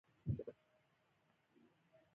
• بادام د پوستکي لپاره ګټور وي.